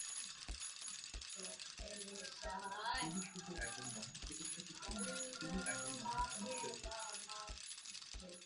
তিনি শুধু একজন মহান চিকিৎসকই ছিলেন না, তিনি একজন মহান সমাজসেবকও ছিলেন।